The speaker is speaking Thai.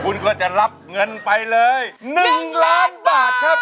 คุณก็จะรับเงินไปเลย๑ล้านบาทครับ